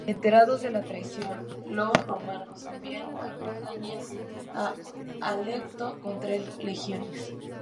Enterados de la traición, los romanos envían a Britania a Alecto con tres legiones.